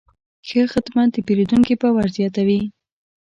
ښه خدمت د پیرودونکي باور زیاتوي.